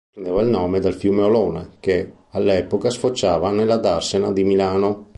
Prendeva il nome dal fiume Olona, che all'epoca sfociava nella Darsena di Milano.